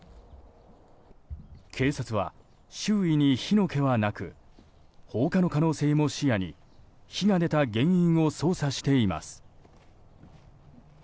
警察は周囲に火の気はなく放火の可能性も視野に火が出た原因を捜査しています。